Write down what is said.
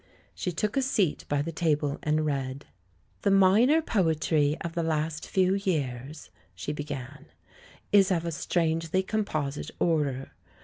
She took a seat by the table, and read. " 'The minor poetry of the last few years,' she began, 'is of a strangely composite order.